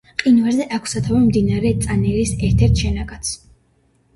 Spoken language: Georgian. მყინვარზე აქვს სათავე მდინარე წანერის ერთ-ერთ შენაკადს.